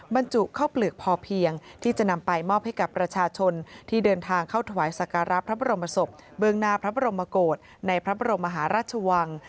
บรรจุข้าวเปลือกพอเพียงที่จะนำไปมอบให้กับประชาชนที่เดินทางเข้าถวายสการะพระบรมศพเบื้องหน้าพระบรมโกรธในพระบรมมหาราชวัง